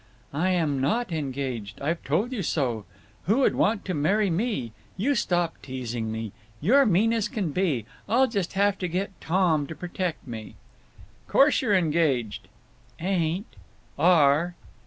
"I am not engaged. I've told you so. Who would want to marry me? You stop teasing me—you're mean as can be; I'll just have to get Tom to protect me!" "Course you're engaged." "Ain't." "Are."